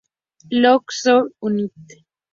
Louis Soccer United.